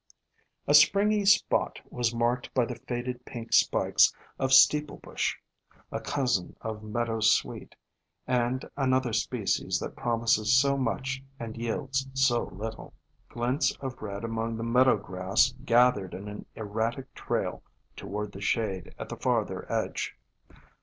A springy spot was marked by the faded pink spikes of Steeple Bush, a cousin of Meadow Sweet, and another species that promises so much and yields so little. Glints of red among the meadow grass gathered in an erratic trail toward the shade at the farther edge.